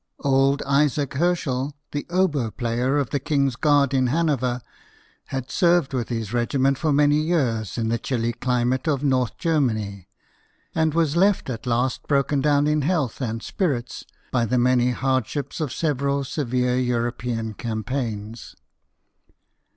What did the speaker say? LD Isaac Herschel, the oboe player of the King's Guard in Hanover, had served with his regiment for many years in the chilly climate of North Germany, and was left at last broken down in health and spirits by the many hardships of several severe European campaigns.